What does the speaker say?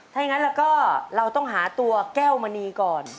ถ้าอย่างนั้นแล้วก็เราต้องหาตัวแก้วมณีก่อน